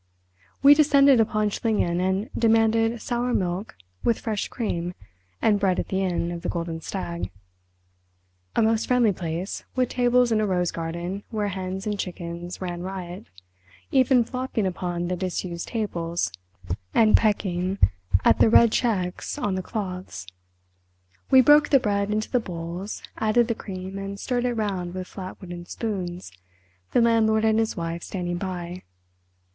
We descended upon Schlingen and demanded sour milk with fresh cream and bread at the Inn of the Golden Stag, a most friendly place, with tables in a rose garden where hens and chickens ran riot—even flopping upon the disused tables and pecking at the red checks on the cloths. We broke the bread into the bowls, added the cream, and stirred it round with flat wooden spoons, the landlord and his wife standing by.